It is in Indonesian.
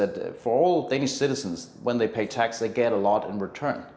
untuk semua warga danes ketika mereka bayar uang mereka mendapatkan banyak keuntungan